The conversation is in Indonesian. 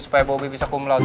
supaya bobi bisa kumlaut